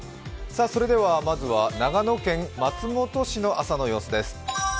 まずは長野県松本市の朝の様子です。